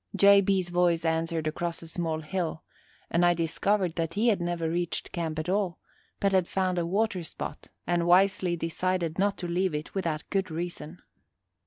J. B.'s voice answered across a small hill, and I discovered that he had never reached camp at all, but had found a water spot, and wisely decided not to leave it without good reason.